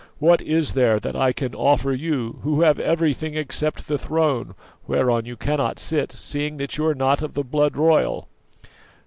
What is there that I can offer you, who have everything except the throne, whereon you cannot sit, seeing that you are not of the blood royal?"